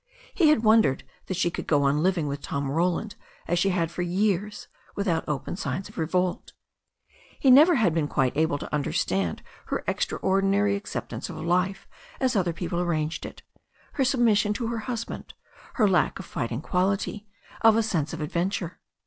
He had won dered that she could go on living with Tom Roland as she had for years without open signs of revolt He never had THE STORY OF A NEW ZEALAND RIVER 327 been quite able to understand her extraordinary acceptance of life as other people arranged it, her submission to her husband, her lack of fighting quality, of a sense of adven* ture.